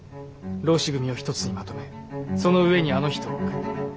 浪士組を一つにまとめその上にあの人を置く。